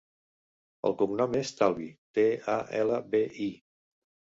El cognom és Talbi: te, a, ela, be, i.